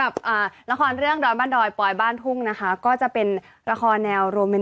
รับบทเป็นตัวเองเหรอใช่เหรอ